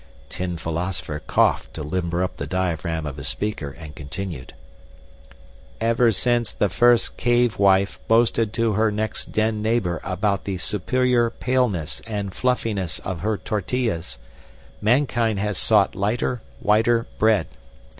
Tin Philosopher coughed to limber up the diaphragm of his speaker and continued: "Ever since the first cave wife boasted to her next den neighbor about the superior paleness and fluffiness of her tortillas, mankind has sought lighter, whiter bread.